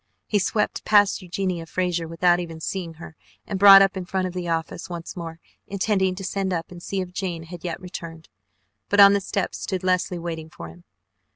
He swept past Eugenia Frazer without even seeing her and brought up in front of the office once more, intending to send up and see if Jane had yet returned, but on the steps stood Leslie waiting for him.